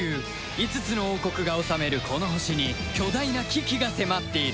５つの王国が治めるこの星に巨大な危機が迫っている